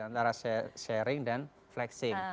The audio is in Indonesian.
antara sharing dan flexing